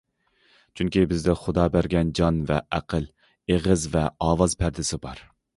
چۈنكى بىزدە خۇدا بەرگەن جان ۋە ئەقىل، ئېغىز ۋە ئاۋاز پەردىسى بار.